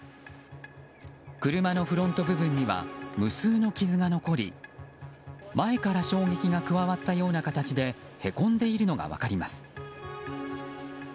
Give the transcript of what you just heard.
車のフロント部分には無数の傷が残り前から衝撃が加わったような形でへこんでいるのが分かります。